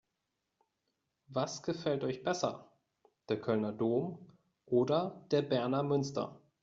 Was gefällt euch besser: Der Kölner Dom oder der Berner Münster?